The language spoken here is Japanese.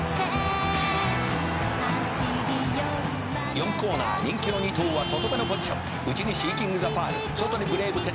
「４コーナー人気の２頭は外目のポジション」「内にシーキングザパール外にブレーブテンダー」